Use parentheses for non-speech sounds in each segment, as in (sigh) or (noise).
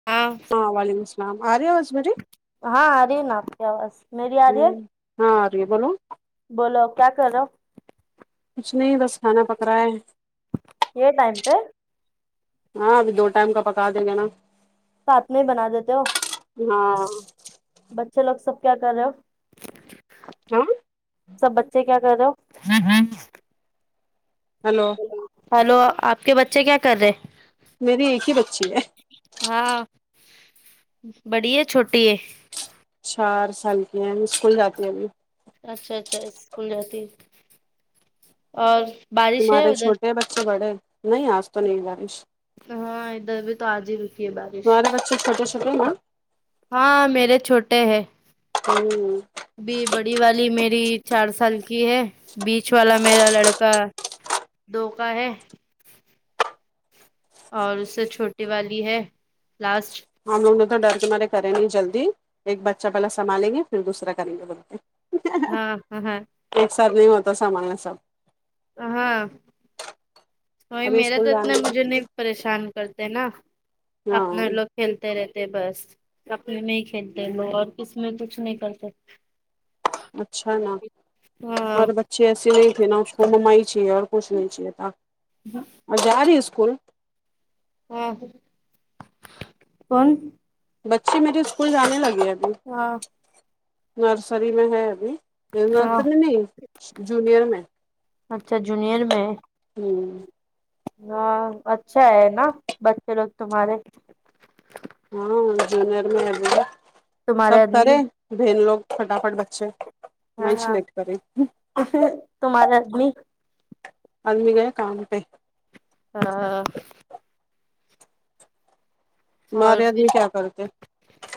(unintelligible) ہاں وعلیکم السلام ا رہی ہے آواز میری ہاں آرہی نا آپ کی آواز میری آ رہی ہوں ہے ہاں آ رہی ہے بولو بولو آپ کیا کر رہے ہو کچھ نہیں بس کھانا پک رہا ہے یہ ٹائم پہ ہاں ابھی دو ٹائم کا پکا دیں گے نا ساتھ میں ہی بنا دیتے ہو ہاں بچے لوگ سب کیا کر رہے ہو ہاں سب بچے کیا کر رہے ہو ہلو ہلو آپ کے بچے کیا کر رہے میری ایک ہی بچی ہے ہاں بڑی ہے چھوٹی ہے چار سال کی ہیں اسکول جاتی ہیں ابھی اچھا اچھا اسکول جاتی ہے اور بارش ہے ادھر یہ بچے پڑھے نہیں آج تو نہیں جارش ہاں ادھر بھی تو آج ہی رکی ہے بارش اچھا ج جتے نا ہاں میرے چھوٹے ہے ہوں ابی بڑی والی میری چار سال کی ہے بیچ والا میرا لڑکا دو کا ہے اور اس سے چھوٹی والی ہے لاسٹ ہم لوگ نے تو ڈر مارے کرے نہیں جلدی ایک بچہ بہلا سنبالیں گے پھر دوسرا کریں گے بولتے ہاں ہاے ایک سر نہیں ہوتا سامان سب ہاں وہی ابھی میرا تو اسکول اتنا مجھے جانے نہیں پریشان کرتے نا ہاں اپنا لوگ کھیلتے رہتے بس کپڑے میں ہی کھیلتے ل اور کس میں کچھ نہیں کرتے اچھا نا ہاں اور بچے ایسے نہیں تھے نا توم ہی چیے اور کچھ نہیں چاہیے تھا ہ (unintelligible) اور جا رہی ہے اسکول ہاں کون بچے میرے اسکول جانے لگے ابھی ہاں نرسری میں ہے ابھی ہاں نرسری نہیں جونیئر میں اچھا جونیئر میں ہوں ہاں اچھا ہے نا بچے لوگ تمہارے ہاں جونیر میں ہےب تمہارے سبیئ کرے آدمی بن لوگ فٹافٹ بچے میں ہاں ہاں سلیکٹ کرے تو مارا ادمی آدمی گئے کام پہ ہاں تہارے آدمی کیا کرتے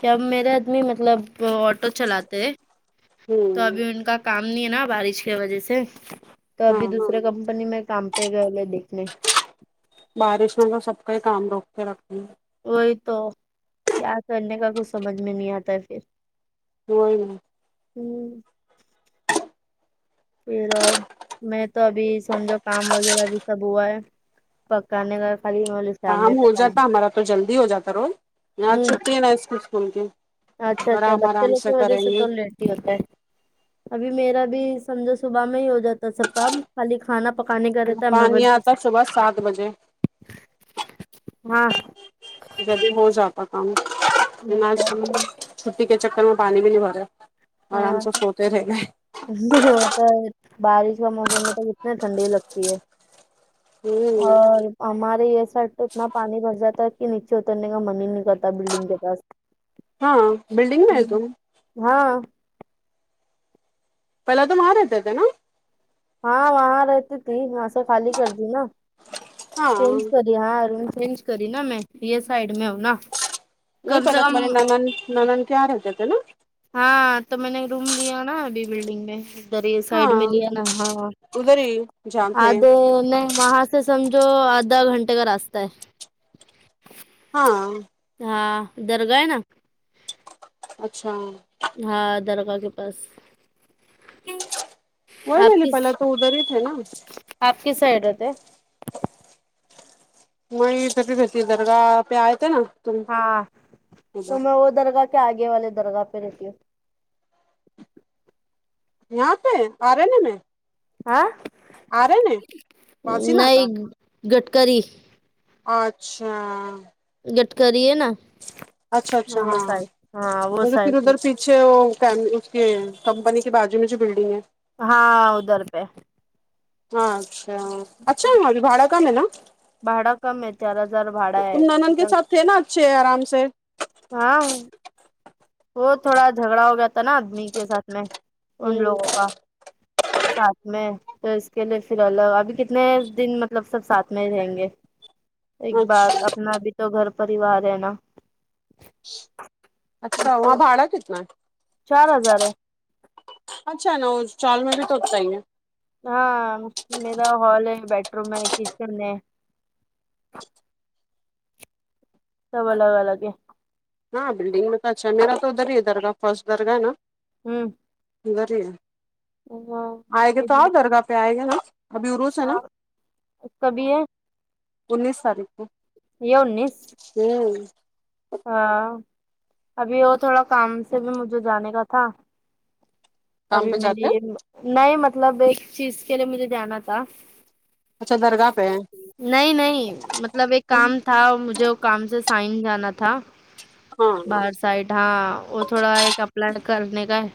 کہ اب میرے آدمی مطلب آٹو چلاتے ہے ہ تو ابھی ان کا کام نہیں ہے نا بارش کے وجہ سے تو ابھی ہاں دوسرے کمپنی میں کام پہ گئے لے دیکھنے بارش میں تو سب کا ہی کام روک کے رکھتی ہے وہی تو کیا کرنے کا کچھ سمجھ میں نہیں آتا ہے پھر ہوں ہوں پھر اور میں تو ابھی سمجھا کام وغیرہ بھی سب ہوا ہے پکان کا خالی کام سامنے ہو پکائیں گے جاتا ہمارا تو جلدی ہو جاتا روز ہوں چھٹی ہے نا اس کو اسکول کی اچھا اچھا آرام بچے آرام لوگ کی وجھ کریں سے گے تو لاتے ہوتا ہے ابھی میرا بھی سمجھو صبح میں ہی ہو جاتا سب کام خالی کھانا پکانے کا رہتا ہے پانی محب آتا صبح سات بجے ہاں جی ہو جاتا تھاوں چھٹی کے چکر میں پانی بھی نہیں بھرا ہاں آرام سے سوتے رہے گیا بارش کا موسم میں تو کتنے ٹھنڈی لگتی ہے ہوں اور ہمارے یہ سائڈ تو اتنا پانی بس جاتا ہے کہ نیچے اترنے کا من ہی نہیں کرتا بلڈنگ کے پاس ہاں بلڈگ میں ہے تو ہاں پہلا تو وہاں تے تھے نا ہاں وہاں رہتی تھی وہاں سے خالی کر دی نا ہاں (unintelligible) ہاں روم چینج کری نا میں یہ سائڈ میں ہوں نا نہی کم سے پہلاے کم تماری ناند ناند کار ہے تے تھے نا ہاں تو میں نے روم لیا نا ابھی بلڈنگ میں ادھر سائڈ ہاں م لیا نا ہاں ادھر ہی جہاں تھے آد میں وہاں سے سمجھو آدھا گھنٹے کا راستہ ہے ہاں ہاں درگاہ ہے نا اچھا ہاں درگاہ کے پاس وہ آپ ملی کس پہلا تو ادھر ہی تھے نا آپ کیس سائڈ رہتے می تھتی درگاہ پہ آئے تھے نا تم ہاں ادھر تو میں وہ درگاہ کہ آگے والے درگاہ پہ رہتی ہو یہاں پے ا رنہ میں ہاں آرے نے واسی نا کا نہیں گٹکری اچھا گڈکری ہے نا اچھا اچھا وہ ہاں سائڈ ہاں وہ مطب پھر سائڈ ادھر اچھے وہ کم اسکے کمپنی کے بازو میں جو بلڈنگ ہے ہاں ادھر پہ ہاں اچھا اچھا ہے وہاں بھی بھاڑا کم ہے نا بھاڑا کم ہے چار ہزار بھاڑا ہے تم نانند کے ساتھ تھے نا اچھے آرام سے ہاں وہ تھوڑا جھگڑا ہو گیا تھا نا آدمی کے ساتھ میں ان ہوں لوگوں کا ساتھ میں تو اس کے لیے پھر الگ ابھی کتنے دن مطلب سب ساتھ میں ہی رہیں گے ایک اچھا بات اپنا بھی تو گھر پریوار ہے نا اچھا وہاں بھاڑا کتنا ہے چار ہزار ہے اچھا ہے نا وہ چال میں بھی تو اتنا ہی ہے ہاں میرا ہال ہے بیڈ روم ہے کچن ہے سب الگ الگ ہے ہاں بلڈنگ میں تو اچھا ہے میرا تو ادھر ہی درگاہ فرسٹ درگاہ ہے نا ہوں ادھر ہی ہے ہاں آئے گے تو آؤ درگاہ پہ آئے گا نا ابھی عروس ہے نا کبھی ہے انیس تاریخ کو یہ انیس ہوں ہاں ابھی وہ تھوڑا کام سے بھی مجھے جانے کا تھا کام ابھی پہ جاتے میری ہیں نی مطلب ایک چیز کے لیے مجھے جانا تھا اچھا درگاہ پہ ہے نہیں نہیں مطلب ایک کام تھا مجھے کام سے سائن جانا تھا ہاں بار سائٹ ہاں وہ تھوڑا ایک اپلائی کرنے کا ہے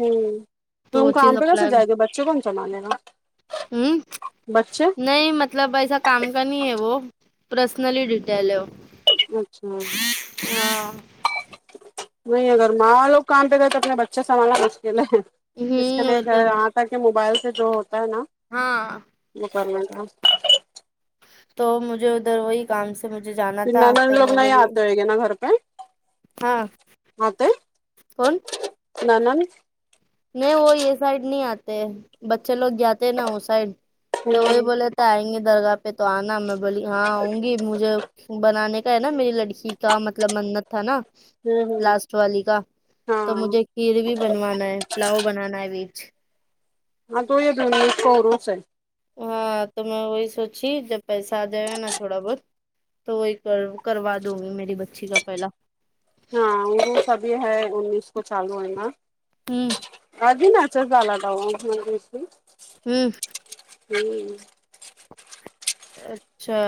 ہوں تم کام پہ کیسے (unintelligible) (unintelligible) ہوں بچے نہیں مطلب ایسا کام کا نہیں ہے وہ پرسنلی ڈیٹیلو اچھا نہیں اگر مال کام پہ گئے تو اپنے بچے سنبالنا مشکل ہے اس کے ہوں لی وہ گ تو ہے یہاں تا کہ موبائل سے جو ہوتا ہے نا ہاں وہ کرنے کا تو مجھے ادھر وہی کام سے مجھے جانا تھا تو میں بی ہو گے نا گھر پہ ہاں کون ننند نہیں وہ یہ سائڈ نہیں آتے بچے لوگ جاتے نا وہ سائڈ ہوں تو وہی ہوں بولے آئیں گے درگاہ پہ تو آنا میں بولی ہاں آؤں گی مجھے بنانے کا ہے نا میری لڑکی کا مطلب منت تھا نا ہوں لاسٹ والی کا ہاں تو مجھے کڑ بھی بنوانا ہے پلاؤ بنانا ہے بیج ہاں تو یہ اس کو اروس ہے ہاں تو میں وہی سوچی جب پیسہ آ جائے گا نا تھوڑا بہت تو وہی کر کروا دوں گی میری بچی کا پہلا ہاں وہ سبھی ہے انیس کو چالو ہے نا ہمم (unintelligible) ہوں ہوں اچھا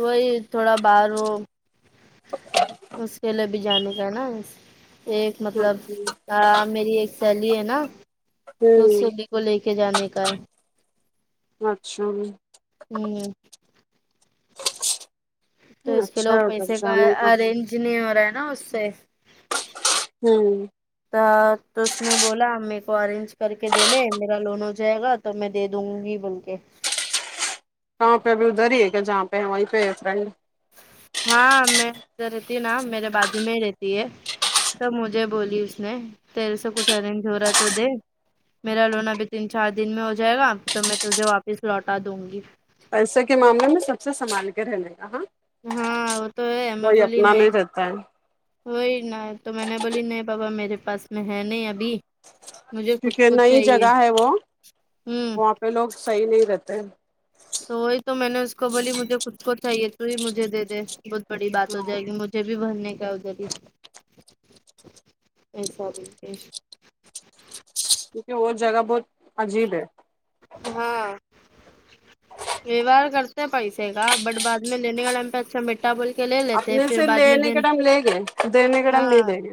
وہی تھوڑا باہر وہ اس کے لیے بھی جانے کا نا ایک مطلب میری ایک سہیلی ہے نا تو کو لے کے جانے کا ہے اچھا ہوں تو اس کے اچھا لوگ ہے ادھر پیسے کا جانے ارینج نہیں ہو رہا ہے نا اس سے ہوں تو اس نے بولا میرے کو ارینج کر کے دینے میرا لون ہو جائے گا تو میں دے دوں گی بول کے کہاں پہ ا بھی ادھر ہی ہے کہ جہاں پہ وہیں پہ رہے ہاں میں ادھر رہتی ہے نا میرے بجو میں ہی رہتی ہے تب مجھے بولی اس نے تیرے سے کچھ ارینج ہو رہا تو دے میرا لون ابھی تین چار دن میں ہو جائے گا تو میں تجھے واپس لوٹا دوں گی پیسے کے معاملے میں سب سے سمبھال کے رہنے کا ہاں ہاں وہ تو ہے میں کوئی بولی اپنا نہیں رہتا ہے وہی نہ تو میں نے بولی نہیں بابا میرے پاس میں ہے نہیں ابھی مجھے خود کیونکہ کو نئی چاہیے ہمم تو لوگ صحیح نہیں رہتے ہیں تو وہی تو میں نے اس کو بولی مجھے خود کو چاہیے تو ہی مجھے دے دے بہت بڑی بات ہو ہاں جائے گی مجھے بھی بھرنے کا ادھر ہی ایسا بھی کیونکہ وہ جگہ بہت عجیب ہے ہاں ویوہار کرتے ہیں پیسے کا بٹ بعد میں لینے کا ٹائم پہ اچھا میٹھ ا بول کے لے لیتے اپنے پھر سے بعد میں لینے دن کے ٹائم لے گئے دینے کے ٹائم نہیں ہاں دیں گے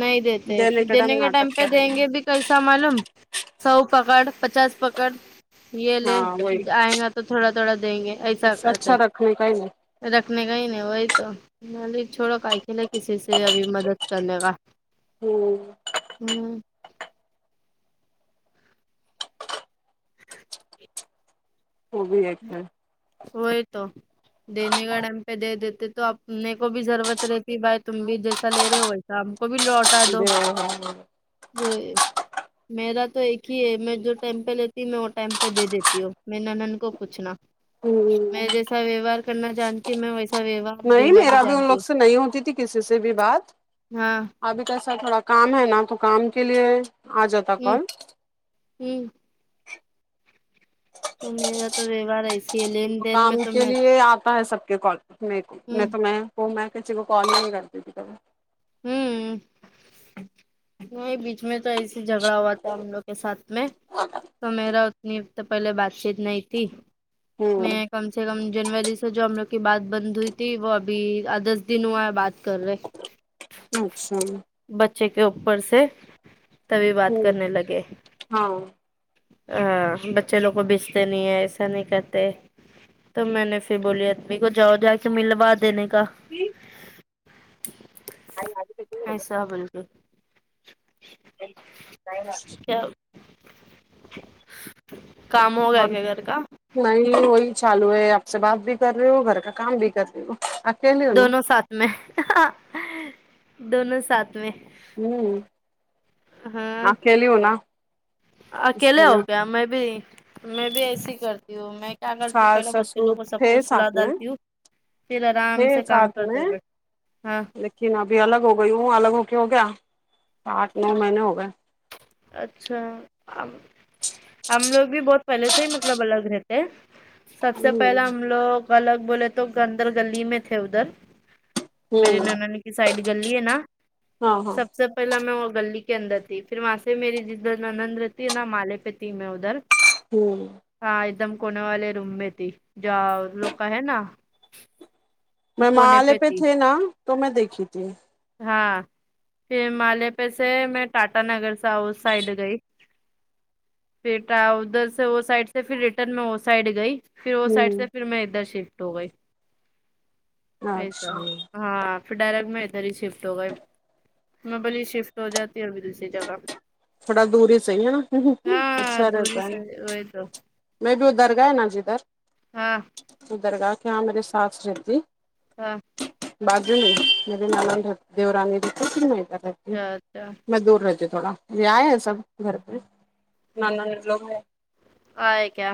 نہیں دیتے پھر دینے کے ٹائم پہ دیں گے بھی کیسا معلوم سو پکڑ پچاس پکڑ یہ لے ہاں وہی آئ گا تو تھوڑا تھوڑا دیں گے ایسا اس سے کرتے اچھا رکھنے کا ہی نہیں ہیں رکھنے کا ہی نی وہی تو میں بولی چھوڑوں کئی کے کسی سے سے ابھی مدد کر لے گا ہمم ہمم وہ بھی ایک ہے وہی تو دینے کے ٹائم پہ دے دیتے تو آپ اپنے کو بھی ضرورت رہتی بھائی تم بھی جیسا لے رہے ہو ویسا ہم کو بھی لوٹا دو وہی میرا تو ایک ہی ہے میں جو ٹائم پہ لیتی ہوں میں وہ ٹائم پہ دے دیتی ہوں میرے نند کو پوچھنا ہوں میں جیسا ویوہار کرنا جانتی ہوں میں ویسا ویوہار نہیں دینا میرا بھی ان جانتی لوگ سے نہیں ہوتی تھی کسی سے بھی بات ہوں ہاں ابھی کیسا تھوڑا کام ہے نا تو کام کے لیے آ جاتا ہمم کال ھمم تو میرا تو ویوہار ایس کام کے لیے آتا ہے سب کے کال میں کو ہ نئی تو میں تو میں کسی کال ہی نہیں کرتی تھی کبھی ہمم نہیں بیچ میں تو ایس جھگڑا ہوا تھا ہم لوگ کے ساتھ میں تو میرا اتنی تو پہلے بات چیت نہیں تھی ہوں میں کم سے کم جنوری سے جو ہم لوگ کی بات بند ہوئی تھی وہ ابھی دس دن ہوا ہے بات کر رہے اچھا بچے کے اوپر سے تبھی بات ہوں کرنے لگے ہاں ہاں بچے لوگ کو بیچتے نہیں ہیں ایسا نہیں کرتے تو میں نے پھر بولی آدمی کو جاؤ جا کے ملوا دینے کا ایسا بالکل نہیں نہیں کیا کام ہو گیا اور کیا گھر کا نہیں وہی چالو ہے آپ سے بات بھی کر رہے ہو گھر کا کام بھی کر رہے ہو اکیلی ہو نا دونوں ساتھ میں دونوں ساتھ میں ہمم ہاں آکیلی ہوں نہ اکیلے ہو کیا میں بھی میں بھی ایسے ہی کر میں کیا کرتی ساس پہلے بچے سسر لوگ کو سب تھے کو سلا ساتھ میں ڈالتی ہوں پھر آرام تھے سے کام ساتھ کرتے میں ہوئے بی ہاں لیکن ابھی الگ ہو گئی ہوں الگ ہو کے ہو گیا آٹھ نو مہینے ہو گئے اچھا ہم لوگ بھی بہت پہلے سے ہی مطلب الگ رہتے سب سے ہوں پہلے ہم لوگ الگ بولے تو گندر گلی میں تھے ادھر ہوں میری نند کی سائڈ گلی ہے نا ہاں ہاں سب سے پہلا میں وہ گلی کے اندر تھی پھر میں پھر میری جدھر نند رہتی ہے نہ مالے پے تھئ میں ادھر ہوں ہاں ایک دم کونے والے روم میں تھی جا ان لوگ کا ہے نا میں مالے پہ تھی نا تو میں دیکھی تھی ہاں پھر مالے پہ سے میں ٹاٹا نگر سے اس سائڈ گئی پھر ادھر سے وہ سائڈ سے پھر ریٹرن میں وہ سائڈ گئی پھر اس سائڈ ہوں سے پھر میں ادھر شفٹ ہو گئی ایسا اچھا ہاں پھر ڈائریکٹ میں ادھر ہی شفٹ ہو گئی میں بولی شفٹ ہو جاتی ہوں ا ابھی دوسری جگہ تھوڑا دور ہی صحیح ہے نا ہاں اچھا رہتا دوری سے ہے وہی تو میں بھی درگا ہے نہ جدھر ہاں درگا کے یہاں میری ساس رہتی ہاں بازو ہی میری نند رہتی دیورانی رہتی پھر میں رہتی اچھا اچھا میں دور رہتی تھوڑا یہ آئے ہیں سب گھر پہ نند لوگ ہیں آئیے کیا